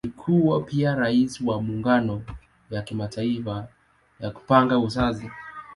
Alikuwa pia Rais wa Muungano ya Kimataifa ya Kupanga Uzazi.